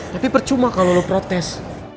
tapi percuma kalau lo protes